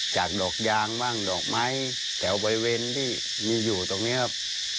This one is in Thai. จากดอกยางบ้างดอกไม้แถวบริเวณที่มีอยู่ตรงนี้ครับ